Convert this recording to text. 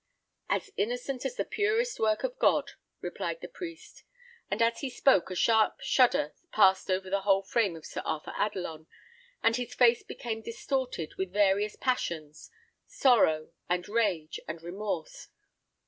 "As innocent as the purest work of God," replied the priest; and as he spoke, a sharp shudder passed over the whole frame of Sir Arthur Adelon, and his face became distorted with various passions: sorrow, and rage, and remorse.